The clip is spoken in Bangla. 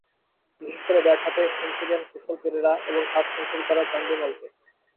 বিশেষ করে ব্যাট হাতে সেঞ্চুরিয়ান কুশল পেরেরা এবং হাফ সেঞ্চুরি করা চান্ডিমালকে।